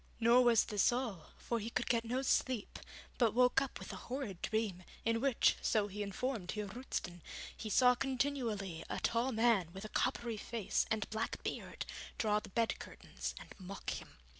Nor was this all, for he could get no sleep, but woke up with a horrid dream, in which, so he informed Heer Roosten, he saw continually a tall man with a coppery face and black beard draw the bed curtains and mock him.